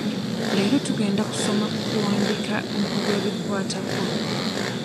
Leero tugenda kusoma ku kuwandiika omuko gw'ebikkwatako.